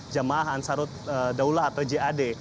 jamaah ansarut daulah atau jad